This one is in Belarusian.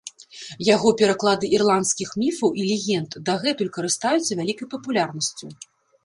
Яго пераклады ірландскіх міфаў і легенд дагэтуль карыстаюцца вялікай папулярнасцю.